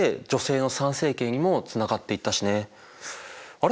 あれ？